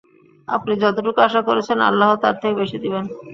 আপনি যতটুকু আশা করছেন, আল্লাহ তার থেকে বেশি দিবেন।